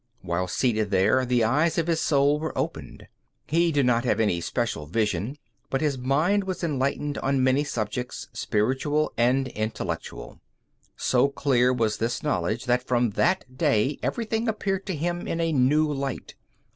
While seated there, the eyes of his soul were opened. He did not have any special vision, but his mind was enlightened on many subjects, spiritual and intellectual. So clear was this knowledge that from that day everything appeared to him in a new light.